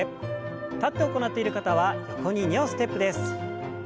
立って行っている方は横に２歩ステップです。